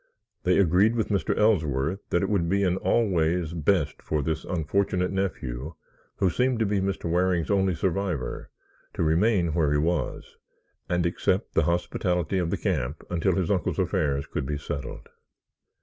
They agreed with Mr. Ellsworth that it would be in all ways best for this unfortunate nephew, who seemed to be Mr. Waring's only survivor, to remain where he was, and accept the hospitality of the camp until his uncle's affairs could be settled.